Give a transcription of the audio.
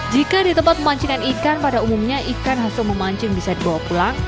jika di tempat pemancinan ikan pada umumnya ikan hasil memancing bisa dibawa pulang